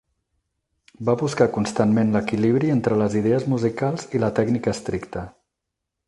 Va buscar constantment l'equilibri entre les idees musicals i la tècnica estricta.